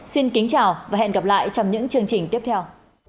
xin kính chào và hẹn gặp lại trong những chương trình tiếp theo